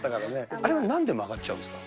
あれはなんで曲がっちゃうんです